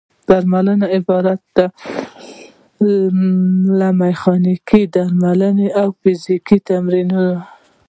درملنه عبارت وه له: میخانیکي درملنه او فزیکي تمرینونه.